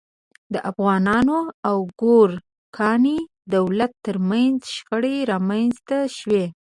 د افغانانو او ګورکاني دولت تر منځ شخړې رامنځته شوې.